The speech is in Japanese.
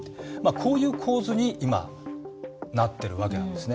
こういう構図に今なってるわけなんですね。